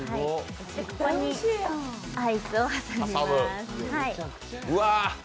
ここにアイスを挟みます。